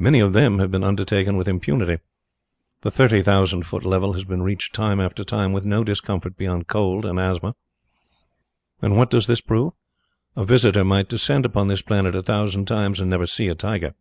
Many of them have been undertaken with impunity. The thirty thousand foot level has been reached time after time with no discomfort beyond cold and asthma. What does this prove? A visitor might descend upon this planet a thousand times and never see a tiger.